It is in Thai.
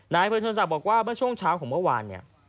นายเผชิญศักดิ์บอกว่าช่วงเช้าของเมื่อวาน